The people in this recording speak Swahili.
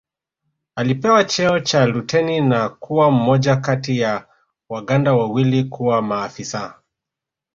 Alipewa cheo cha luteni na kuwa mmoja kati wa Waganda wawili kuwa maafisa